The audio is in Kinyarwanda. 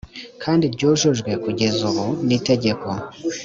kandi ryujujwe kugeza ubu n itegeko